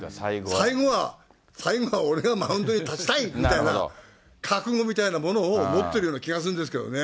最後は、最後は俺がマウンドに立ちたいみたいな、覚悟みたいなものを持ってるような気がするんですけどね。